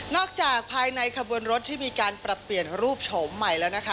นอกจากภายในขบวนรถที่มีการประเปลี่ยนรูปโฉมใหม่